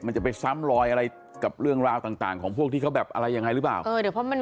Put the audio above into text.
จะไปซ้ำลอยอะไรกับเรื่องราวต่างของพวกที่เขาแบบอะไรยังไงหรือเปล่า